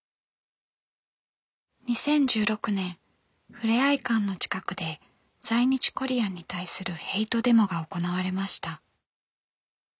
２０１６年ふれあい館の近くで在日コリアンに対するヘイトデモが行われました。